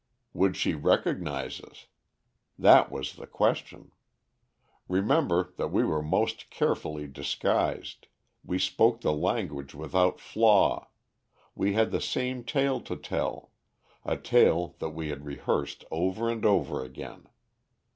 "Would she recognize us? That was the question. Remember that we were most carefully disguised, we spoke the language without flaw, we had the same tale to tell a tale that we had rehearsed over and over again.